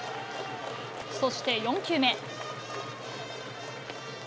そして４球目。